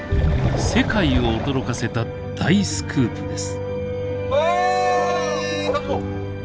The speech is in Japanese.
世界を驚かせた大スクープです。